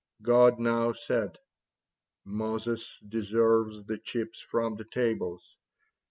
God now said: "Moses deserves the chips from the tables.